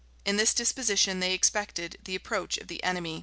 [] In this disposition they expected the approach of the enemy.